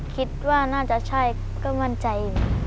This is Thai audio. คิดว่าน่าจะใช่ก็มั่นใจอยู่